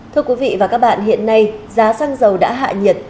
thưa quý vị và các bạn hiện nay giá xăng dầu đã hạ nhiệt